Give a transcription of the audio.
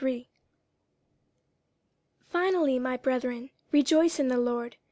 50:003:001 Finally, my brethren, rejoice in the Lord.